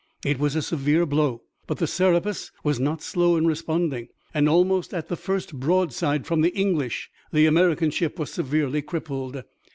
It was a severe blow, but the Serapis was not slow in responding. And almost at the first broadside from the English the American ship was severely crippled.